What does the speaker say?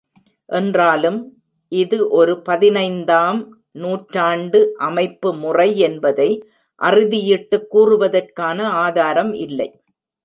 என்றாலும், இது ஒரு பதினைந்தாம் நூற்றாண்டு அமைப்பு முறை என்பதை அறுதியிட்டுக் கூறுவதற்கான ஆதாரம் இல்லை.